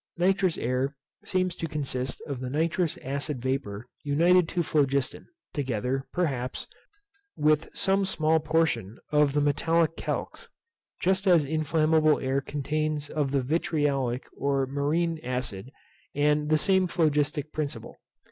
Nitrous air seems to consist of the nitrous acid vapour united to phlogiston, together, perhaps, with some small portion of the metallic calx; just as inflammable air consists of the vitriolic or marine acid, and the same phlogistic principle.